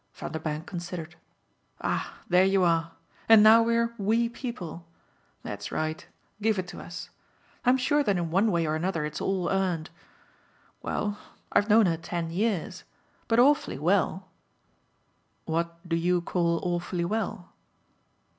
Vanderbank considered. "Ah there you are! And now we're 'we people'! That's right give it to us. I'm sure that in one way or another it's all earned. Well, I've known her ten years. But awfully well." "What do you call awfully well?"